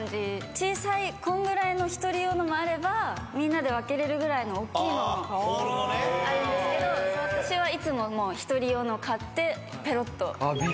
小さいこんぐらいの１人用のもあればみんなで分けれるぐらいのおっきいのあるんですけど私はいつも１人用の買ってぺろっと。